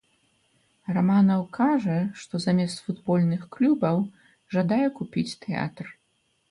Раманаў кажа, што замест футбольных клубаў жадае купіць тэатр.